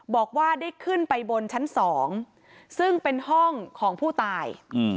บอกว่าได้ขึ้นไปบนชั้น๒ซึ่งเป็นห้องของผู้ตาย